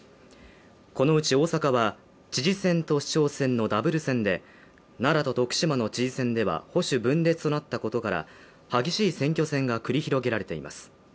このうち大阪は知事選と市長選のダブル選で奈良と徳島の知事選では、保守分裂となったことから、激しい選挙戦が繰り広げられています。